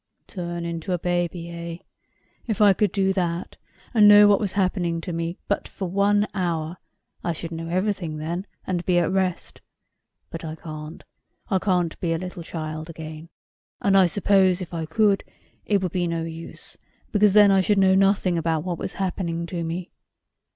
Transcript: "Turn into a baby, eh? If I could do that, and know what was happening to me for but one hour, I should know everything then, and be at rest. But I can't; I can't be a little child again; and I suppose if I could, it would be no use, because then I should then know nothing about what was happening to me.